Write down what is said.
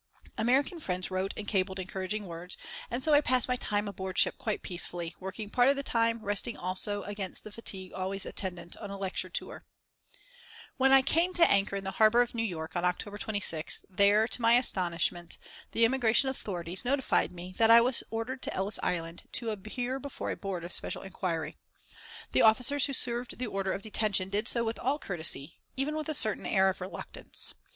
American friends wrote and cabled encouraging words, and so I passed my time aboard ship quite peacefully, working part of the time, resting also against the fatigue always attendant on a lecture tour. [Illustration: MRS. PANKHURST AND CHRISTABEL IN THE GARDEN OF CHRISTABEL'S HOME IN PARIS] We came to anchor in the harbour of New York on October 26th, and there, to my astonishment, the Immigration authorities notified me that I was ordered to Ellis Island to appear before a Board of Special Inquiry. The officers who served the order of detention did so with all courtesy, even with a certain air of reluctance.